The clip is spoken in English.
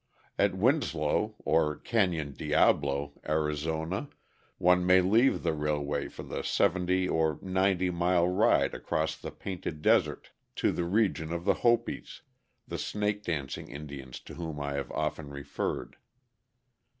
At Winslow, or Canyon Diablo, Arizona, one may leave the railway for the 70 or 90 mile ride across the Painted Desert to the region of the Hopis, the snake dancing Indians to whom I have often referred.